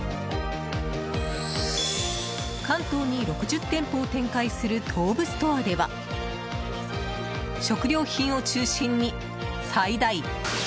関東に６０店舗を展開する東武ストアでは食料品を中心に最大？？